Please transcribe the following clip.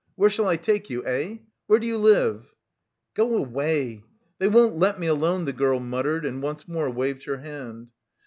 Where shall I take you, eh? Where do you live?" "Go away! They won't let me alone," the girl muttered, and once more waved her hand.